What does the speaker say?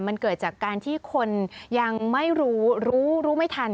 มันเกิดจากการที่คนยังไม่รู้รู้รู้ไม่ทัน